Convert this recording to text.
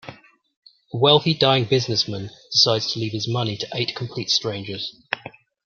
A wealthy dying businessman decides to leave his money to eight complete strangers.